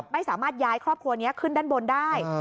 ไม่สามารถย้ายครอบครัวนี้ขึ้นด้านบนได้